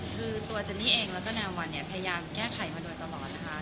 คือตัวเจนนี่เองแล้วก็แนววันเนี่ยพยายามแก้ไขมาโดยตลอดนะคะ